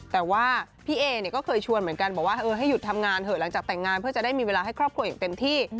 แต่ว่าพี่เอเนี่ยก็เคยชวนเหมือนกันบอกว่าให้หยุดทำงานเถอะหลังจากแต่งงานเพื่อจะได้มีเวลาให้ครอบครัวอย่างเต็มที่